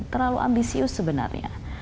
terlalu ambisius sebenarnya